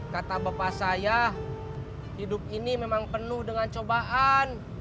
kata bapak saya hidup ini memang penuh dengan cobaan